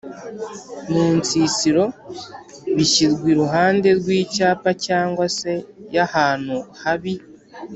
munsisiro=bishyirwa iruhande rw’icyapa cg se y’ahantu habi